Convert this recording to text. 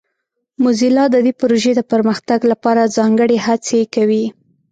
موزیلا د دې پروژې د پرمختګ لپاره ځانګړې هڅې کوي.